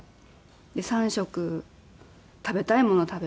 ３食食べたいものを食べる。